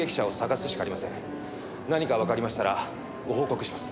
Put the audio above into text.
何かわかりましたらご報告します。